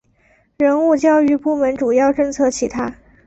人物教育部门主要政策其他